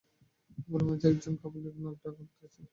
উপরের বেঞ্চে একজন কাবুলী নাক ডাকাইতেছে।